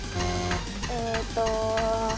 えーっと。